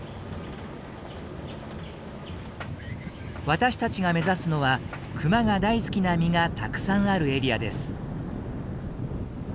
私たちが目指すのはクマが大好きな実がたくさんあるエリアです。